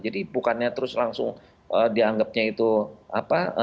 jadi bukannya terus langsung dianggapnya itu apa